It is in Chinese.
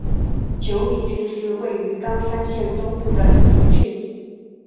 久米郡是位于冈山县中部的一郡。